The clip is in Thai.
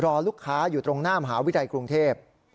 รอลูกค้าอยู่ตรงหน้ามหาวิทยาลัยกรุงเทพ